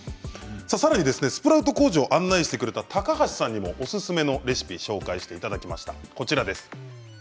さらにスプラウト工場を案内してくれた高橋さんにもおすすめのレシピを紹介してもらいました。